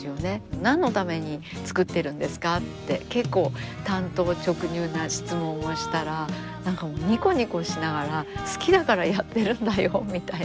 「何のために作ってるんですか？」って結構単刀直入な質問をしたら何かもうニコニコしながら「好きだからやってるんだよ」みたいな。